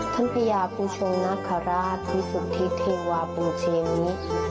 ท่านพญาภูชงนาคาราชวิสุทธิเทวาบุญเชมิ